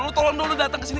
lo tolong dulu datang kesini